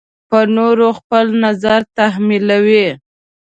په نورو خپل نظر تحمیلوي.